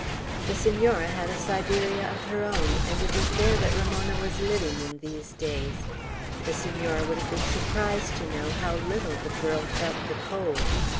The Senora had a Siberia of her own, and it was there that Ramona was living in these days. The Senora would have been surprised to know how little the girl felt the cold.